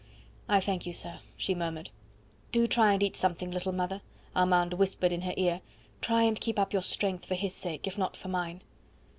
"I thank you, sir," she murmured. "Do try and eat something, little mother," Armand whispered in her ear; "try and keep up your strength for his sake, if not for mine."